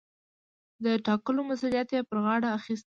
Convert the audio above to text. د ټاکلو مسووليت يې پر غاړه اخىستى.